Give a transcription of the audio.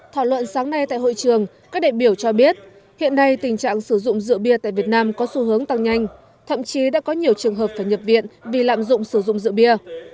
thảo luận sáng nay tại hội trường các đại biểu cho biết hiện nay tình trạng sử dụng rượu bia tại việt nam có xu hướng tăng nhanh thậm chí đã có nhiều trường hợp phải nhập viện vì lạm dụng sử dụng rượu bia